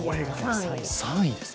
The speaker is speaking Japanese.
３位ですか。